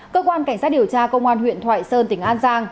cơ quan cảnh sát điều tra công an huyện thoại sơn tỉnh an giang